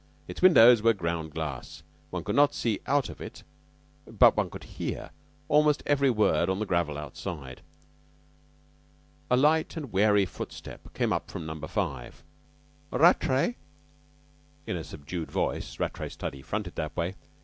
Its windows were ground glass; one could not see out of it, but one could hear almost every word on the gravel outside. A light and wary footstep came up from Number Five. "Rattray!" in a subdued voice Rattray's study fronted that way.